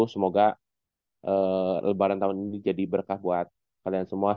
semoga lebaran tahun ini jadi berkah buat kalian semua